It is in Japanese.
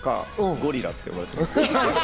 ゴリラって呼ばれてます。